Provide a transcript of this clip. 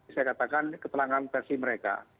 saya katakan keterangan versi mereka